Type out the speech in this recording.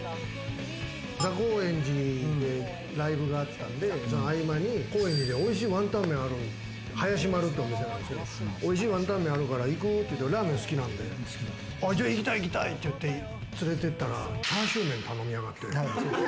高円寺でライブがあったんで、その合間に高円寺でおいしいワンタンメンがある、はやしまるってお店なんですけれども、おいしいワンタンメンあるから行く？って言ったら、ラーメン好きなんで、行きたいって連れて行ったら、チャーシューメン頼みやがって。